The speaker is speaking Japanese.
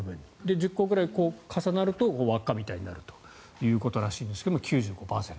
このあみあみが重なると輪っかみたいになるということらしいんですが世界シェア９５％。